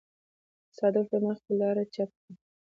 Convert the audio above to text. د تصادف له مخې لاره چپ کړي.